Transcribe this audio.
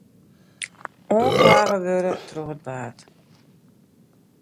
Oanklage wurde troch it Waad.